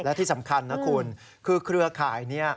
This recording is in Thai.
และที่สำคัญนะคุณคือเครือข่ายนี้